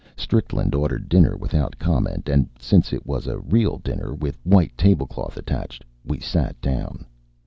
Strickland ordered dinner without comment, and since it was a real dinner, with white tablecloth attached, we sat down.